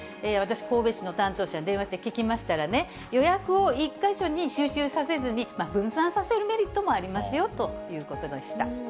私、神戸市の担当者に電話して聞きましたらね、予約を１か所に集中させずに、分散させるメリットもありますよということでした。